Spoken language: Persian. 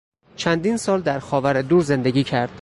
چندین سال در خاور دور زندگی کرد.